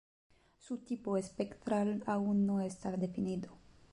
Su tipo espectral aún no está definido.